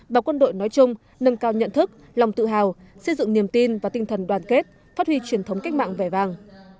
và quân đội nói chung nâng cao nhận thức lòng tự hào xây dựng niềm tin và tinh thần đoàn kết phát huy truyền thống cách mạng vẻ vàng